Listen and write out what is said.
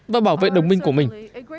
và bảo vệ đồng minh của mình